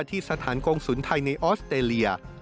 ที่สถานกงศูนย์ไทยในออสเตรเลีย